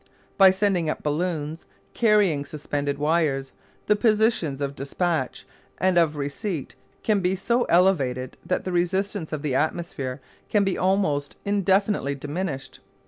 By sending up balloons, carrying suspended wires, the positions of despatch and of receipt can be so elevated that the resistance of the atmosphere can be almost indefinitely diminished.